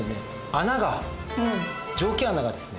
穴が蒸気穴がですね